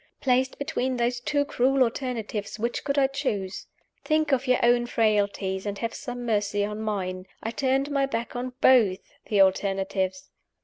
Placed between those two cruel alternatives, which could I choose? Think of your own frailties, and have some mercy on mine. I turned my back on both the alternatives.